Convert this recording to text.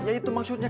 ya itu maksudnya